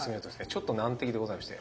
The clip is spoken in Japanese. ちょっと難敵でございまして。